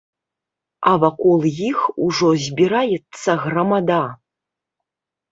А вакол іх ужо збіраецца грамада.